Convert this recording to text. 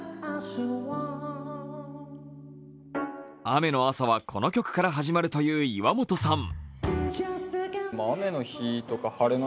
雨の朝はこの曲から始まるという岩本さん。